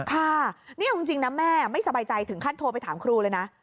ค่ะนี่เอาจริงนะแม่ไม่สบายใจถึงขั้นโทรไปถามครูเลยนะ